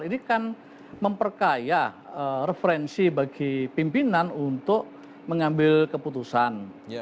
ini kan memperkaya referensi bagi pimpinan untuk mengambil keputusan